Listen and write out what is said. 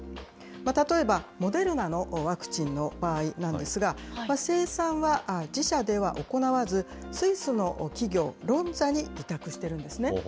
例えばモデルナのワクチンの場合なんですが、生産は自社では行わず、スイスの企業、ロンザに委託してるんですね。